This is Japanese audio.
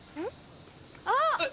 あっ！